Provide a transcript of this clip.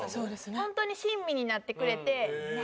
ホントに親身になってくれて何？